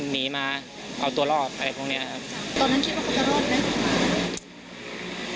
หนีมาเอาตัวรอดอะไรพวกเนี้ยครับตอนนั้นคิดว่าเขาจะรอดไหม